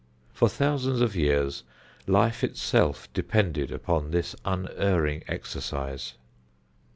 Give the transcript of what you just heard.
For thousands of years life itself depended upon this unerring exercise.